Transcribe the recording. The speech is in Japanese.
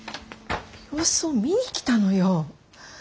様子を見に来たのよ。